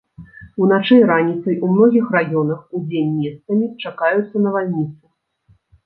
Уначы і раніцай у многіх раёнах, удзень месцамі чакаюцца навальніцы.